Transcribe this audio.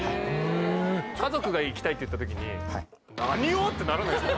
家族が行きたいって言ったときにってならないんですか？